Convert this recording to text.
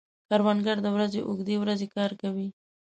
کروندګر د ورځې اوږدې ورځې کار کوي